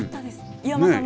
岩間さんも。